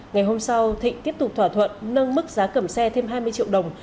ngày hôm sau thịnh tiếp tục thỏa thuận nâng mức giá cầm xe thêm hai mươi triệu đồng